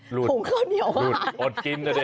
หูข้าวเหนียวหาดหลุดอดกินเถอะดิ